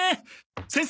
先生